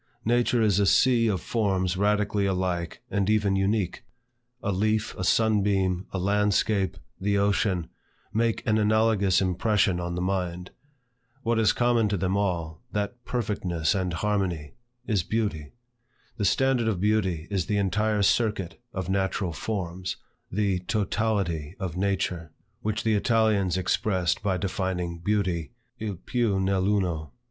Nature is a sea of forms radically alike and even unique. A leaf, a sun beam, a landscape, the ocean, make an analogous impression on the mind. What is common to them all, that perfectness and harmony, is beauty. The standard of beauty is the entire circuit of natural forms, the totality of nature; which the Italians expressed by defining beauty "il piu nell' uno."